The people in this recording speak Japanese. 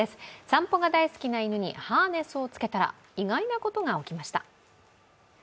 散歩が大好きな犬にハーネスをつけたら意外なことが起きました。